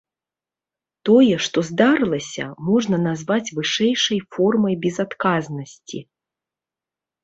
Тое, што здарылася, можна назваць вышэйшай формай безадказнасці.